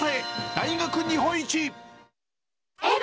大学日本一。